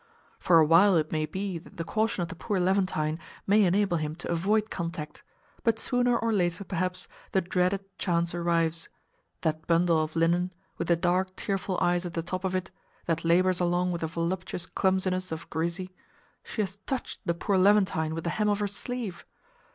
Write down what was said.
For a while it may be that the caution of the poor Levantine may enable him to avoid contact, but sooner or later perhaps the dreaded chance arrives; that bundle of linen, with the dark tearful eyes at the top of it, that labours along with the voluptuous clumsiness of Grisi—she has touched the poor Levantine with the hem of her sleeve!